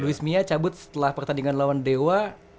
luis mia cabut setelah pertandingan lawan dewa